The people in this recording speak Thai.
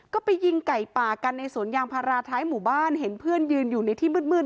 ก็ไปยิงไก่ป่ากันในสวนยางพาราท้ายหมู่บ้านเห็นเพื่อนยืนอยู่ในที่มืด